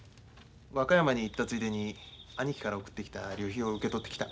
和歌山に行ったついでに兄貴から送ってきた旅費を受け取ってきた。